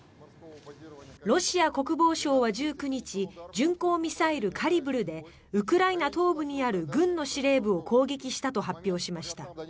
ロシア国防省は１９日巡航ミサイル、カリブルでウクライナ東部にある軍の司令部を攻撃したと発表しました。